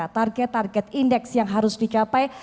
target target indeks yang harus dicapai